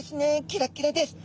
キラキラです。